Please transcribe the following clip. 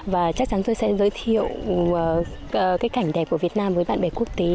và chắc chắn tôi sẽ giới thiệu cái cảnh đẹp của việt nam với bạn bè quốc tế